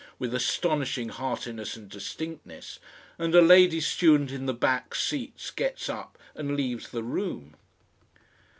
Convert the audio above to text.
with astonishing heartiness and distinctness, and a lady student in the back seats gets up and leaves the room.